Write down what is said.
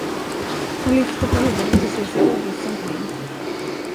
Hon lyfter på huvudet och ser sig oviss omkring.